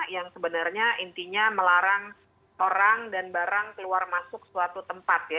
yang sebenarnya intinya melarang orang dan barang keluar masuk suatu tempat ya